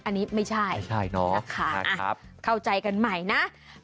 อันนี้ไม่ใช่นะคะอ่ะเข้าใจกันใหม่นะไม่ใช่เนอะ